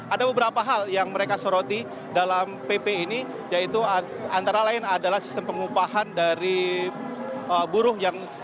ada beberapa hal yang mereka soroti dalam pp ini yaitu antara lain adalah sistem pengupahan dari buruh yang